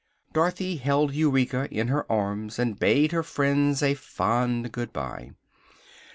Dorothy held Eureka in her arms and bade her friends a fond good bye.